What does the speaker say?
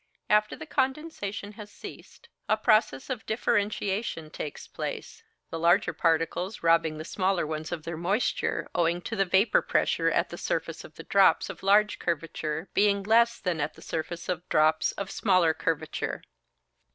After the condensation has ceased, a process of differentiation takes place, the larger particles robbing the smaller ones of their moisture, owing to the vapour pressure at the surface of the drops of large curvature being less than at the surface of drops of smaller curvature.